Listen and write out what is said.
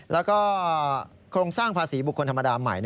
แล้วก็โครงสร้างภาษีบุคคลธรรมดาใหม่